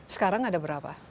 sekarang ada berapa